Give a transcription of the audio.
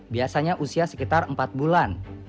biasanya usia sekitar empat bulan